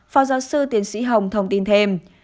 phó giáo sư tiến sĩ hồng thông tin thêm